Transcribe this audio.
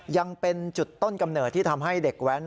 ยังเป็นจุดต้นกำเนิดที่ทำให้เด็กแว้น